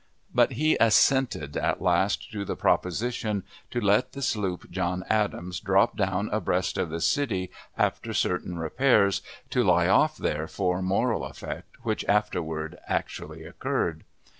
But he assented at last, to the proposition to let the sloop John Adams drop down abreast of the city after certain repairs, to lie off there for moral effect, which afterward actually occurred.